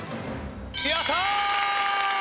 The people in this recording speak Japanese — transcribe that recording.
やったー！